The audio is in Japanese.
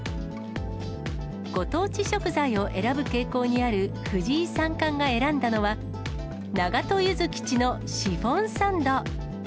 ご当地食材を選ぶ傾向にある藤井三冠が選んだのは、長門ゆずきちのシフォンサンド。